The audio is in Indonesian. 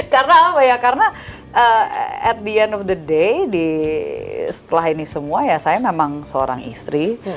karena apa ya karena at the end of the day setelah ini semua ya saya memang seorang istri